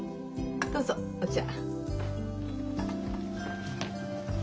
どうぞお茶。